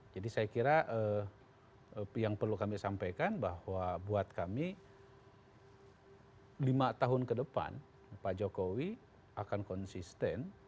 jadi saya kira yang perlu kami sampaikan bahwa buat kami lima tahun ke depan pak jokowi akan konsisten